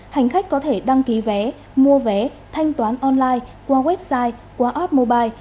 hành khách có thể đăng ký vé mua vé thanh toán online qua website qua app mobile